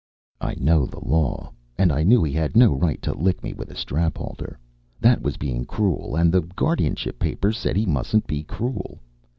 I know the law, and I knew he had no right to lick me with a strap halter. That was being cruel, and the guardianship papers said he mustn't be cruel.